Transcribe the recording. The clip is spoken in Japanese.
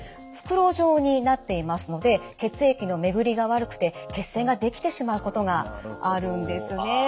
袋状になっていますので血液の巡りが悪くて血栓ができてしまうことがあるんですね。